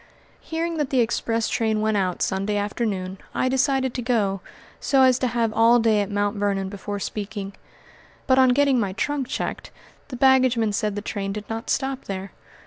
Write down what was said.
Hearing that the express train went out Sunday afternoon, I decided to go, so as to have all day at Mt. Vernon before speaking; but on getting my trunk checked, the baggageman said the train did not stop there.